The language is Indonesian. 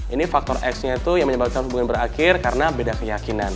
ini faktor x nya itu yang menyebabkan hubungan berakhir karena beda keyakinan